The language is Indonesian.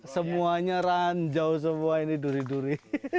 semuanya ranjau semua ini duri duri